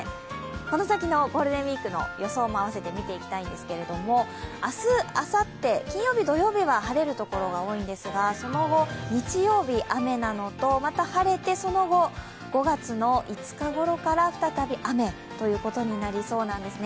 この先のゴールデンウイークの予想もあわせて見ていきたいんですけども、明日、あさって、金曜日土曜日は晴れるところが多いんですがその後、日曜日雨なのと、また晴れてその後、５月５日ごろから再び雨となりそうなんですね。